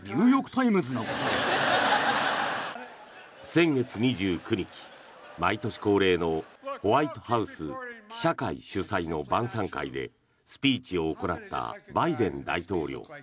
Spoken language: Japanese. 先月２９日、毎年恒例のホワイトハウス記者会主催の晩さん会でスピーチを行ったバイデン大統領。